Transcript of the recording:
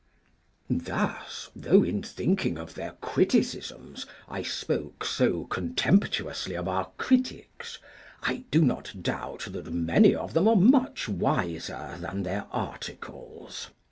Thus, though in thinking of their criticisms I spoke so contemptuously of our critics, I do not doubt that many of them are much wiser than their articles.